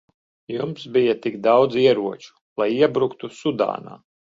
Jums bija tik daudz ieroču, lai iebruktu Sudānā.